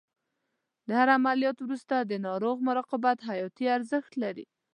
د هر عملیات وروسته د ناروغ مراقبت حیاتي ارزښت لري.